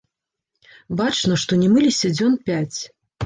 Бачна, што не мыліся дзён пяць.